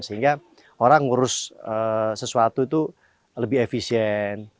sehingga orang ngurus sesuatu itu lebih efisien